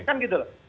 kan gitu loh